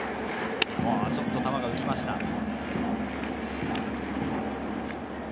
ちょっと球が浮きました。